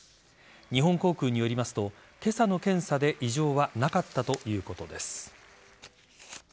日本航空によりますと今朝の検査で異常はなかったということです。